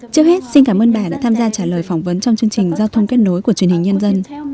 trước hết xin cảm ơn bà đã tham gia trả lời phỏng vấn trong chương trình giao thông kết nối của truyền hình nhân dân